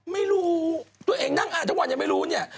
ไม่รู้ตัวเองนั่งอ่านทุกวันยังไม่รู้เนี่ย